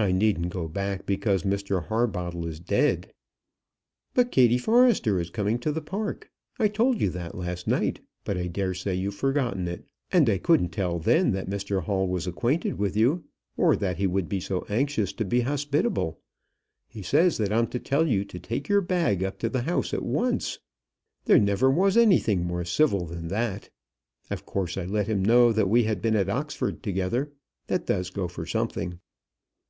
"I needn't go back because Mr Harbottle is dead." "But Kattie Forrester is coming to the Park. I told you last night, but I daresay you've forgotten it; and I couldn't tell then that Mr Hall was acquainted with you, or that he would be so anxious to be hospitable. He says that I'm to tell you to take your bag up to the house at once. There never was anything more civil than that. Of course I let him know that we had been at Oxford together. That does go for something."